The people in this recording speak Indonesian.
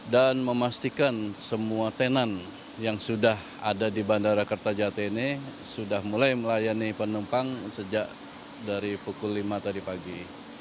dan memastikan semua tenan yang sudah ada di bandara kertajati ini sudah mulai melayani penumpang sejak dari pukul lima tadi pagi